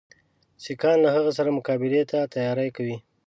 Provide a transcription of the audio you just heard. سیکهان له هغه سره مقابلې ته تیاری کوي.